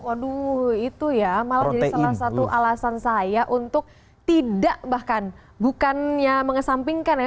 waduh itu ya malah jadi salah satu alasan saya untuk tidak bahkan bukannya mengesampingkan ya